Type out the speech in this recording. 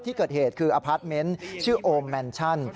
ที่เกิดเหตุคืออพาร์ทเมนต์ชื่อโอมแมนชั่น